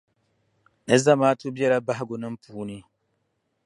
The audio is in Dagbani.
Ni zamaatu biɛla bahigunima puuni.